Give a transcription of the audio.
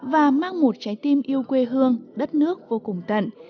và mang một trái tim yêu quê hương đất nước vô cùng tận